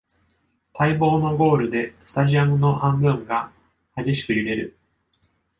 待望のゴールでスタジアムの半分が激しく揺れる